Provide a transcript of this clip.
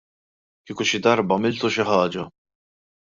Kieku xi darba għamiltu xi ħaġa!